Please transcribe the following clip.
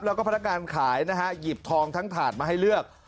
แล้วก็พนักงานขายนะฮะหยิบทองทั้งถาดมาให้เลือก